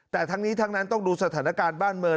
แต่ทั้งนี้ทั้งนั้นต้องดูสถานการณ์บ้านเมือง